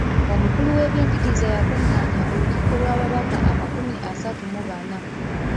Omukulu w’ebyenjigiriza yakungaanya olukiiko lw'ababaka amakumi asatu mu bana.